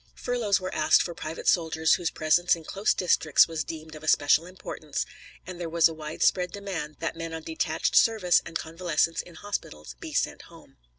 Furloughs were asked for private soldiers whose presence in close districts was deemed of especial importance, and there was a widespread demand that men on detached service and convalescents in hospitals be sent home.